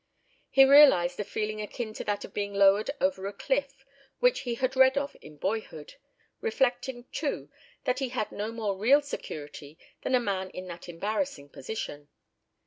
He realised a feeling akin to that of being lowered over a cliff, which he had read of in boyhood, reflecting, too, that he had no more real security than a man in that embarrassing position.